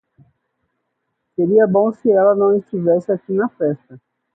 Seria bom se ela não estivesse aqui na festa!